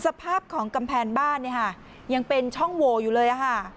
สภาพของกำแพงบ้านเนี่ยค่ะยังเป็นช่องโหวอยู่เลย